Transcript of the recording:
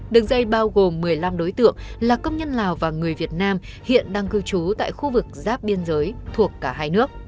đường dây bao gồm một mươi năm đối tượng là công nhân lào và người việt nam hiện đang cư trú tại khu vực giáp biên giới thuộc cả hai nước